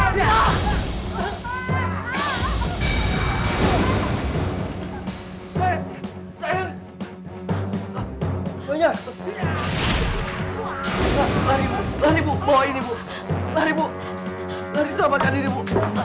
lari bu bawa ini bu lari bu lari sahabatkan ini bu